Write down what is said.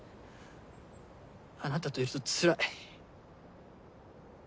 あなたといるとつらい。